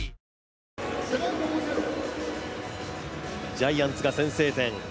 ジャイアンツが先制点。